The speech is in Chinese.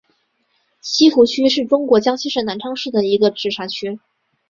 西湖区是中国江西省南昌市的一个市辖区。